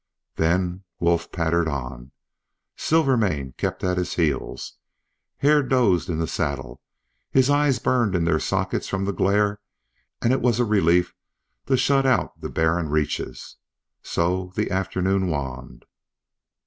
Then Wolf pattered on; Silvermane kept at his heels; Hare dozed in the saddle. His eyes burned in their sockets from the glare, and it was a relief to shut out the barren reaches. So the afternoon waned.